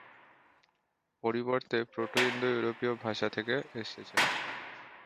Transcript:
পরিবর্তে প্রোটো-ইন্দো-ইউরোপীয় ভাষা থেকে এসেছে।